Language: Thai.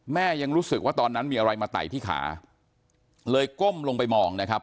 ยังรู้สึกว่าตอนนั้นมีอะไรมาไต่ที่ขาเลยก้มลงไปมองนะครับ